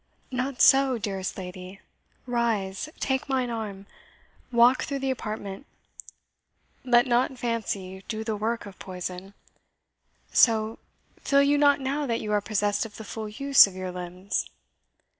"Not so, dearest lady. Rise, take mine arm, walk through the apartment; let not fancy do the work of poison! So; feel you not now that you are possessed of the full use of your limbs?"